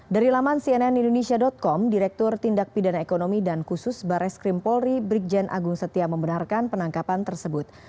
dari laman cnnindonesia com direktur tindak pidana ekonomi dan khusus barres krim polri brigjen agung setia membenarkan penangkapan tersebut